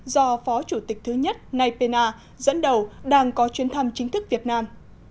do phó chủ tịch thứ nhất nay pena dẫn đầu đang có chuyến thăm chính thức việt nam